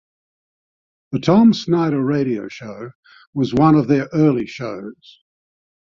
The Tom Snyder Radio Show was one of their early shows.